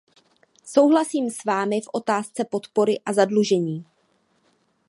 Souhlasím s vámi v otázce podpory a zadlužení.